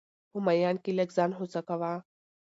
په ميان کي لږ ځان هوسا کوه!